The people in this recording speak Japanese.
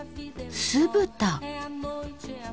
すぶた。